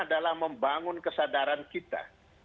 adalah membangun kesadaran kita